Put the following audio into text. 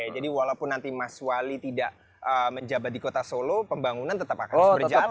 jadi walaupun nanti mas wali tidak menjabat di kota solo pembangunan tetap akan berjalan